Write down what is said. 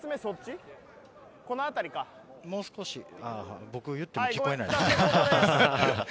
もう少しと僕が言っても、聞こえないですよね。